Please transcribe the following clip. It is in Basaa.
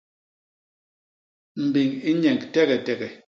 Mbiñ i nyéñg tegetege.